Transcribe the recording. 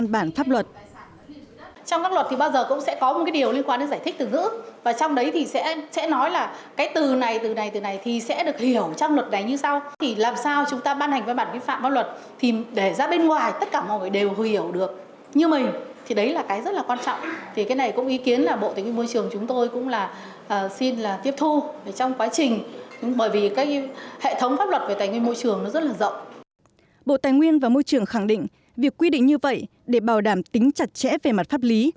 bộ tài nguyên và môi trường khẳng định việc quy định như vậy để bảo đảm tính chặt chẽ về mặt pháp lý